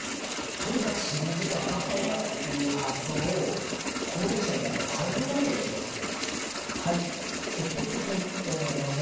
とにかく睡眠時間確保だっていう発想を高齢者になると変えていかなきゃいけないということなんですね？